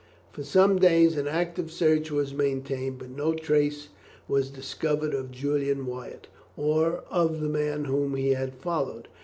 For some days an active search was maintained, but no trace was discovered of Julian Wyatt, or of the man whom he had followed.